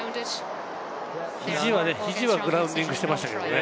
肘はグラウンディングしていましたけれどもね。